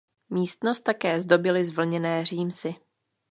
Místnost také zdobily zvlněné římsy.